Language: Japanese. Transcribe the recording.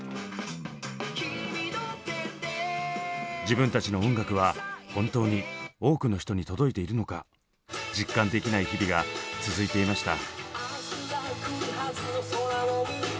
自分たちの音楽は本当に多くの人に届いているのか実感できない日々が続いていました。